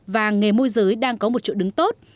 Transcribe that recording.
và nghề môi giới đang có một chỗ đứng tốt